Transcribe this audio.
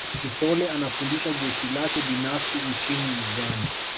Sithole anafundisha jeshi lake binafsi nchini Uganda